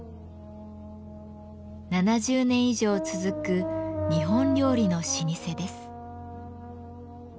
７０年以上続く日本料理の老舗です。